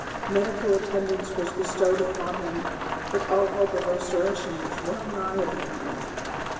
Medical attend ance was bestowed upon him, but all hope of restoration ■was well nigh abandoned.